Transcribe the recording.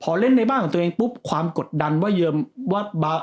พอเล่นในบ้านของตัวเองปุ๊บความกดดันว่าเยิมว่า